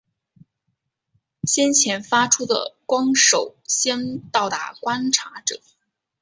先前发出的光首先到达观察者。